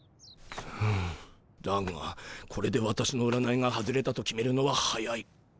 だがこれで私の占いが外れたと決めるのは早い。